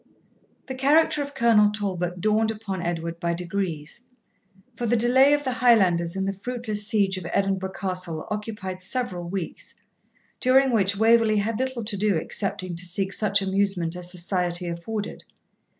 The character of Colonel Talbot dawned upon Edward by degrees; for the delay of the Highlanders in the fruitless siege of Edinburgh Castle occupied several weeks, during which Waverley had little to do excepting to seek such amusement as society afforded.